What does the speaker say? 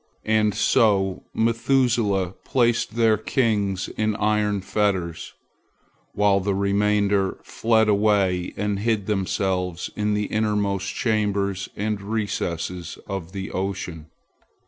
And so Methuselah placed their kings in iron fetters, while the remainder fled away and hid themselves in the innermost chambers and recesses of the ocean.